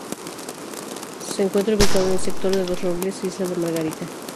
Se encuentra ubicado en el sector de Los Robles, isla de Margarita.